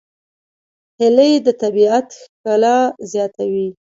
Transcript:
هیلۍ د طبیعت ښکلا زیاتوي